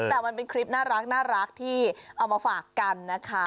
แต่มันเป็นคลิปน่ารักที่เอามาฝากกันนะคะ